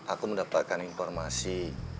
aku mendapatkan informasi